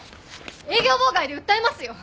営業妨害で訴えますよ。